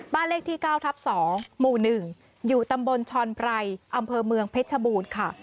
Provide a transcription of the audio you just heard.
บ้านเลขที่๙ทับ๒หมู่๑อยู่ตำบลชอนไพรอำเภอเมืองเพชรบูรณ์ค่ะ